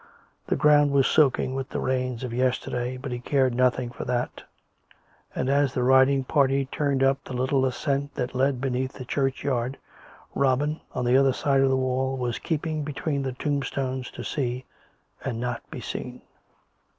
tlie ground was soaking with the rains of yesterday, but he cared nothing for that; and, as the riding party turned up the little ascent that led beneath the churchyard, Robin, on the other side of the wall, was keeping between the tombstones to see, and not be seen.